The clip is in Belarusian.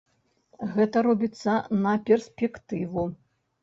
Гэта робіцца на перспектыву.